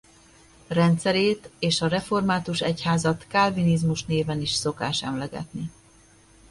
Rendszerét és a református egyházat kálvinizmus néven is szokás emlegetni.